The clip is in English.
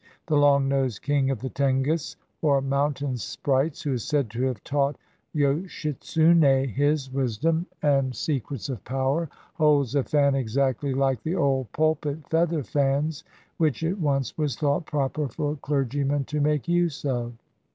The long nosed King of the Tengus, or mountain sprites, who is said to have taught Yoshitsune his wisdom and 292 SOCIAL LIFE IN KIOTO secrets of power, holds a fan exactly like the old pulpit feather fans which it once was thought proper for clergy men to make use of.